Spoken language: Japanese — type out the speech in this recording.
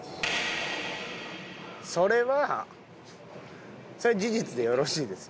それはそれは事実でよろしいですね？